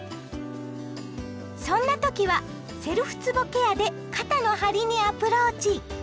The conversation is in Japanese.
そんな時はセルフつぼケアで肩の張りにアプローチ！